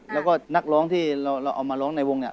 แล้วก็นักร้องที่เราเอามาร้องในวงเนี่ย